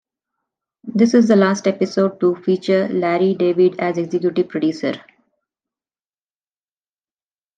This is the last episode to feature Larry David as executive producer.